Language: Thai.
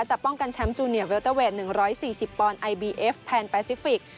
จะป้องกันแชมป์จูเนียเวลเตอร์เวทหนึ่งร้อยสี่สิบปอนด์ไอบีเอฟแพนแปซิฟิก